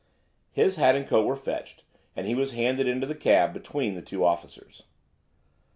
His hat and coat were fetched, and he was handed into the cab between the two officials.